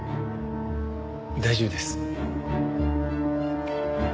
大丈夫です。